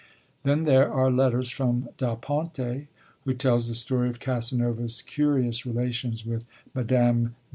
Then there are letters from Da Ponte, who tells the story of Casanova's curious relations with Mme.